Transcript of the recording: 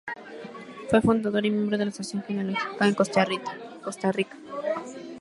Fue fundador y miembro de la Asociación Genealógica de Costa Rica.